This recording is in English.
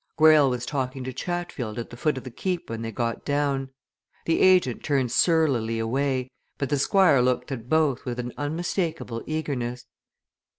Greyle was talking to Chatfield at the foot of the Keep when they got down. The agent turned surlily away, but the Squire looked at both with an unmistakable eagerness.